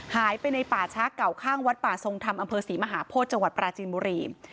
หายไปในป่าช้าเก่าข้างวัดป่าทรงธรรมอำเภอศรีมหาโพธิจังหวัดปราจีนบุรี